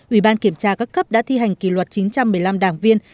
ủy ban kiểm tra các cấp đã thi hành kỷ luật chín trăm một mươi năm đảng viên